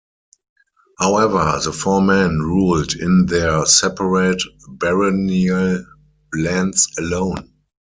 However, the four men ruled in their separate baronial lands alone.